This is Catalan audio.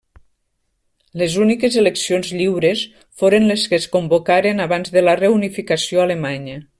Les úniques eleccions lliures foren les que es convocaren abans de la Reunificació alemanya.